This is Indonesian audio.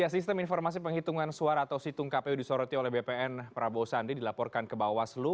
sistem informasi penghitungan suara atau situng kpu disoroti oleh bpn prabowo sandi dilaporkan ke bawaslu